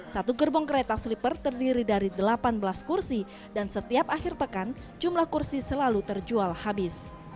satu gerbong kereta sleeper terdiri dari delapan belas kursi dan setiap akhir pekan jumlah kursi selalu terjual habis